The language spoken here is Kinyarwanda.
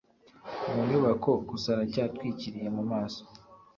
munyubako gusa aracyatwikiriye mumaso